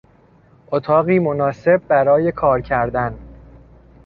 اتاقی مناسب برای کار کردن